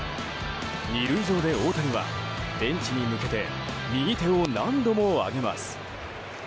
２塁上で大谷はベンチに向けて右手を何度も上げます。